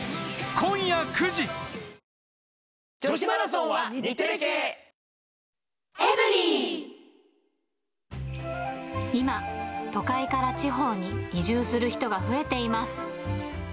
今、都会から地方に移住する人が増えています。